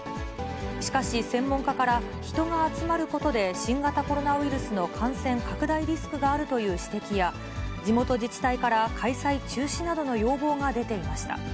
しかし、専門家から、人が集まることで新型コロナウイルスの感染拡大リスクがあるという指摘や、地元自治体から開催中止などの要望が出ていました。